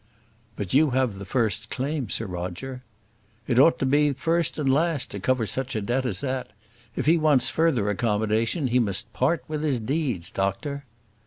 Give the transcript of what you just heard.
"But you have the first claim, Sir Roger." "It ought to be first and last to cover such a debt as that. If he wants further accommodation, he must part with his deeds, doctor."